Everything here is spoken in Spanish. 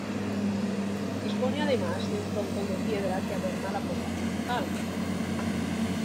Dispone además de un frontón de piedra que adorna la puerta principal.